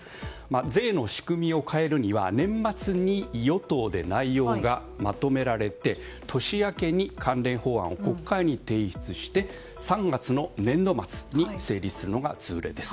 税の仕組みを変えるには年末に与党で内容がまとめられて年明けに関連法案を国会に提出して３月の年度末に成立するのが通例です。